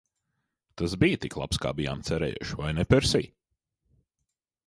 Tas bija tik labs, kā bijām cerējuši, vai ne, Persij?